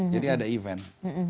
jadi ada event